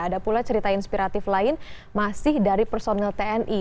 ada pula cerita inspiratif lain masih dari personil tni